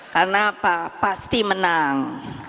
karena apa pasti menang